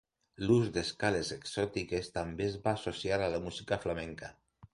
L'ús d'escales exòtiques també es va associar a la música flamenca.